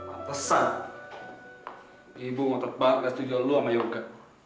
pantesan ibu mau terbang ke studio lu sama yoga